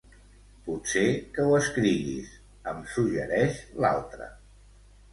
Potser que ho escriguis, em suggereix l'altre.